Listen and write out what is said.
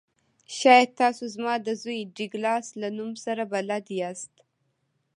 شاید تاسو زما د زوی ډګلاس له نوم سره بلد یاست